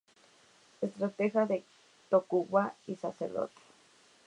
Estratega de Tokugawa y Sacerdote.